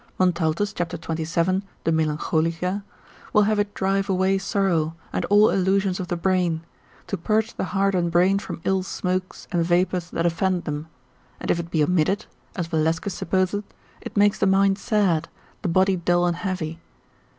Montaltus cap. 27. de melan. will have it drive away sorrow, and all illusions of the brain, to purge the heart and brain from ill smokes and vapours that offend them: and if it be omitted, as Valescus supposeth, it makes the mind sad, the body dull and heavy.